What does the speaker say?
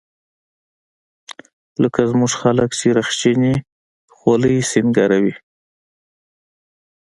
لکه زموږ خلق چې رخچينې خولۍ سينګاروي.